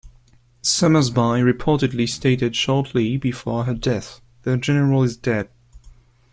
Summersby reportedly stated shortly before her death: The General is dead.